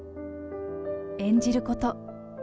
演じること。